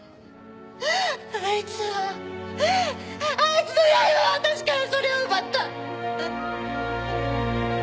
あいつはあいつの刃は私からそれを奪った！